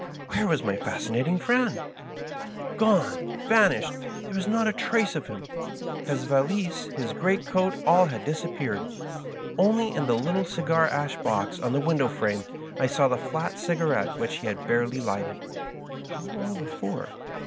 Where was my Fascinating Friend % Gone 1 vanished 1 There was not a trace of him. His valise, his great coat, all had disappeared. Only in the little cigar ash box on the window frame I saw the flat cigarette which he had barely lighted — ^how long before